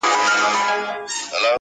ما درمل راوړه ما په سونډو باندې ووهله~